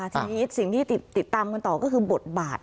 ทีนี้สิ่งที่ติดตามกันต่อก็คือบทบาท